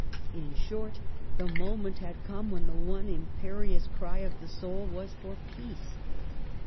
In short the moment had come when the one impe rious cry of her soul was for peace.